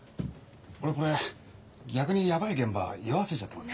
俺これ逆にヤバい現場居合わせちゃってます？